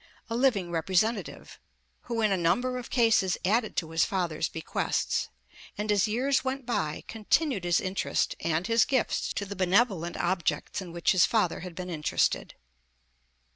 a living repre sentative, who in a number of cases added to his father's bequests; and as years went by, continued his interest and his gifts to the benevolent objects in which his father had been interested.